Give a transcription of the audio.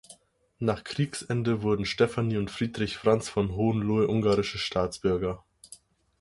Nach Kriegsende wurden Stephanie und Friedrich Franz von Hohenlohe Ungarische Staatsbürger.